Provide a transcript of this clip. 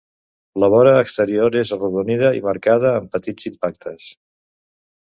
La vora exterior és arrodonida i marcada amb petits impactes.